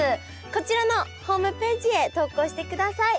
こちらのホームページへ投稿してください。